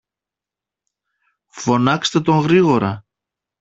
Φωνάξετε τον γρήγορα.